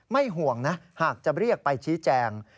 ห่วงนะหากจะเรียกไปชี้แจง